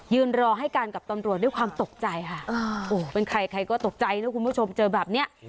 รอให้การกับตำรวจด้วยความตกใจค่ะโอ้เป็นใครใครก็ตกใจนะคุณผู้ชมเจอแบบนี้